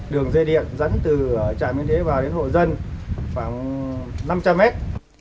đường dây điện dẫn từ trạm điện đến hộ dân khoảng năm trăm linh mét